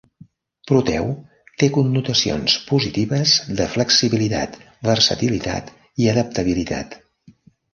"Proteu" té connotacions positives de flexibilitat, versatilitat i adaptabilitat.